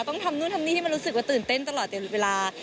ต้องทำนู่นทำนี่ที่มันรู้สึกว่าตื่นเต้นตลอดเวลา